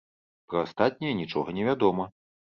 Пра астатнія нічога не вядома.